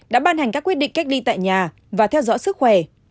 đã ban hành các quyết định cách ly tại nhà và theo dõi sức khỏe